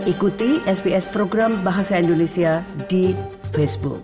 ikuti sps program bahasa indonesia di facebook